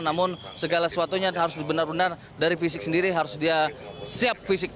namun segala sesuatunya harus benar benar dari fisik sendiri harus dia siap fisik